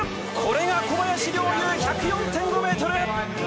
これが小林陵侑、１０４．５ｍ！